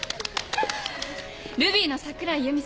ルビーの桜井由美さん。